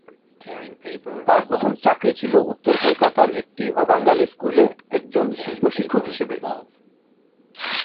তার প্রথম চাকরি ছিল উত্তর কলকাতার একটি অবাঙালি স্কুলে একজন শিল্প শিক্ষক হিসাবে।